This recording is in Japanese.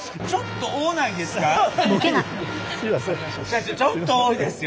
社長ちょっと多いですよ。